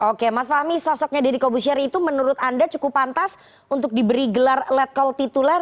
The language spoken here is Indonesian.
oke mas fahmi sosoknya deddy kobusyari itu menurut anda cukup pantas untuk diberi gelar let call tituler